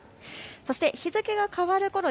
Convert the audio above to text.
そして日付が変わるころ